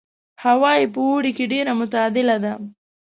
هوا یې په اوړي کې ډېره معتدله ده.